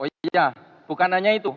oh iya bukan hanya itu